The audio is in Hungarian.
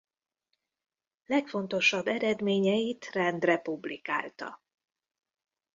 Legfontosabb eredményeit rendre publikálta.